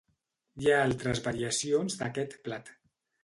Hi ha altres variacions d'aquest plat.